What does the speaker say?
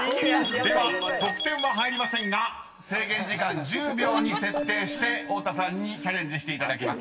［では得点は入りませんが制限時間１０秒に設定して太田さんにチャレンジしていただきます。